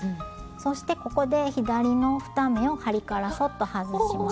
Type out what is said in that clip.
そしてここで左の２目を針からそっと外します。